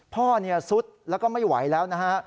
ซุดแล้วก็ไม่ไหวแล้วนะฮะ